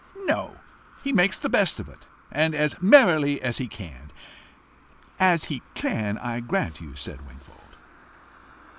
"No. He makes the best of it, and as merrily as he can." "AS HE CAN, I grant you," said Wingfold.